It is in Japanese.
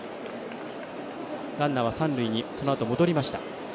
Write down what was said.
ランナーは三塁にそのあと戻りました。